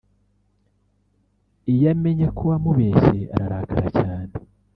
Iyo amenye ko wamubeshye ararakara cyane